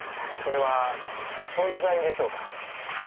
それは「存在」でしょうか？